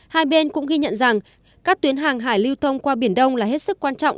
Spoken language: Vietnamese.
hai bên cũng ghi nhận rằng các tuyến hàng hải lưu thông qua biển đông là hết sức quan trọng